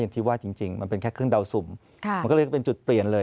ที่ว่าจริงมันเป็นแค่เครื่องเดาสุ่มมันก็เลยเป็นจุดเปลี่ยนเลย